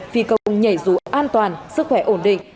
phi công nhảy dù an toàn sức khỏe ổn định